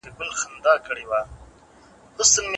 ټول لاملونه په هر هیواد کي یو شان نه دي.